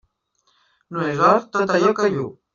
No és or tot allò que lluu.